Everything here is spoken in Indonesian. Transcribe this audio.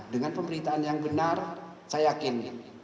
dengan pemberitaan yang benar saya yakin